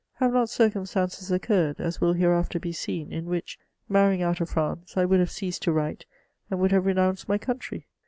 Have not circumstances occurred (as will hereafter be seen) in which, marrying out of France, I would have ceased to write, and would have renounced my country